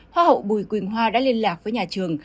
hoa hậu bùi quỳnh hoa đã liên lạc với nhà trường